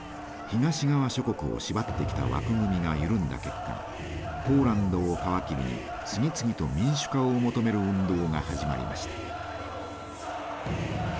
東側諸国を縛ってきた枠組みが緩んだ結果ポーランドを皮切りに次々と民主化を求める運動が始まりました。